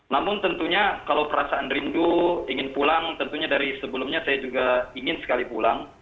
namun tentunya kalau perasaan rindu ingin pulang tentunya dari sebelumnya saya juga ingin sekali pulang